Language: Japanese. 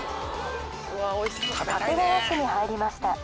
掛川市に入りました。